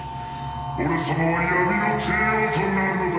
俺様は闇の帝王となるのだ！